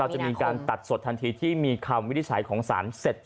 เราจะมีการตัดสดทันทีที่มีคำวิทยาศัยของสารเสร็จสิ้น